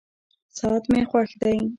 ساعت مي خوښ دی.